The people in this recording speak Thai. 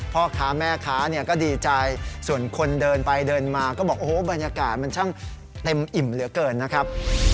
พ่อค้าแม่ค้าเนี่ยก็ดีใจส่วนคนเดินไปเดินมาก็บอกโอ้โหบรรยากาศมันช่างเต็มอิ่มเหลือเกินนะครับ